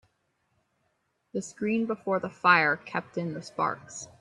The screen before the fire kept in the sparks.